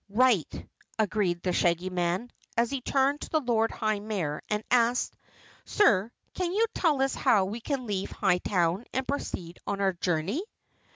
"Right," agreed the Shaggy Man, as he turned to the Lord High Mayor and asked: "Sir, can you tell us how we can leave Hightown and proceed on our journey?"